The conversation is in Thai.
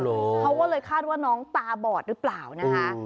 โอ้โหเค้าว่าเลยคาดว่าน้องตาบอดหรือเปล่านะฮะ